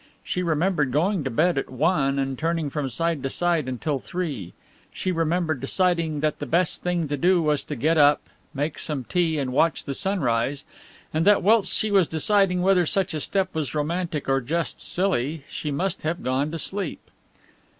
She remembered going to bed at one and turning from side to side until three. She remembered deciding that the best thing to do was to get up, make some tea and watch the sun rise, and that whilst she was deciding whether such a step was romantic or just silly, she must have gone to sleep.